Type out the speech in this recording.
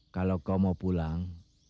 kalau kau mau pulang